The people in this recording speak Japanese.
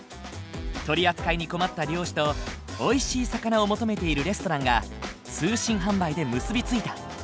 取り扱いに困った漁師とおいしい魚を求めているレストランが通信販売で結び付いた。